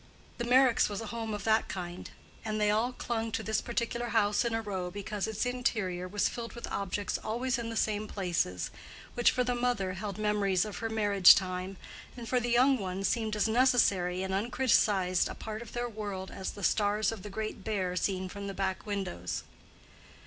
The Meyricks' was a home of that kind: and they all clung to this particular house in a row because its interior was filled with objects always in the same places, which, for the mother held memories of her marriage time, and for the young ones seemed as necessary and uncriticised a part of their world as the stars of the Great Bear seen from the back windows.